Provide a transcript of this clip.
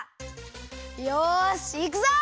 よしいくぞ！